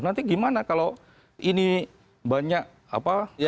nanti gimana kalau ini banyak apa